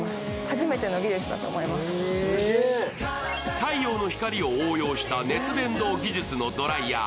太陽の光を応用した熱伝導技術のドライヤー。